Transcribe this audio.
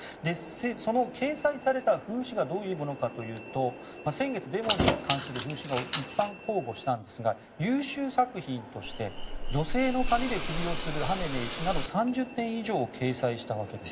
その掲載された風刺画どういうものかというと先月、デモに関する風刺画を一般公募したんですが優秀作品として女性の髪で首をつるハメネイ師など３０点以上を掲載したわけです。